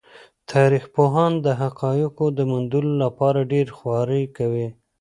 تاریخ پوهان د حقایقو د موندلو لپاره ډېرې خوارۍ کوي.